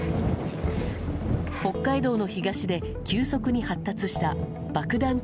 北海道の東で急速に発達した爆弾